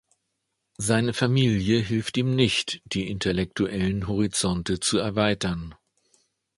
Seine Familie hilft ihm nicht, die intellektuellen Horizonte zu erweitern.